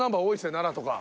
奈良とか。